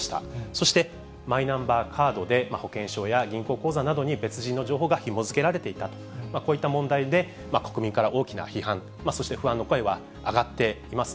そして、マイナンバーカードで保険証や銀行口座などに別人の情報がひも付けられていたと、こういった問題で、国民から大きな批判、そして不安の声は上がっています。